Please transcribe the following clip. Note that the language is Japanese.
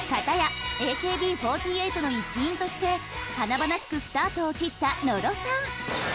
かたやＡＫＢ４８の一員として華々しくスタートを切った野呂さん。